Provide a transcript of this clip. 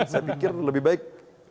saya pikir lebih baik